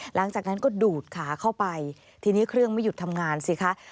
หลังจากนั้นก็ดูดขาเข้าไปทีนี้เครื่องไม่หยุดทำงานสิคะ